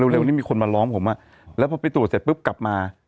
เร็วนี้มีคนมาร้องผมว่าแล้วพอไปตรวจเสร็จปุ๊บกลับมา